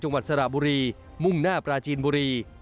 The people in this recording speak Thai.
จังหวัดสระบุรีมุ่งหน้าปลาจีนบุรี